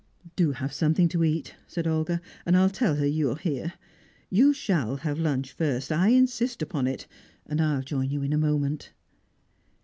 "Do have something to eat," said Olga, "and I'll tell her you are here. You shall have lunch first; I insist upon it, and I'll join you in a moment."